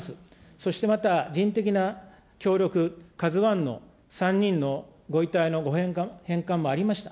そしてまた人的な協力、ＫＡＺＵＩの３人のご遺体の返還もありました。